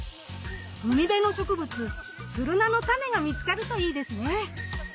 海辺の植物ツルナのタネが見つかるといいですね。